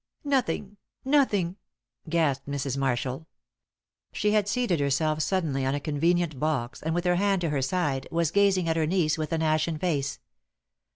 "Nothing nothing!" gasped Mrs. Marshall. She had seated herself suddenly on a convenient box, and with her hand to her side, was gazing at her niece with an ashen face.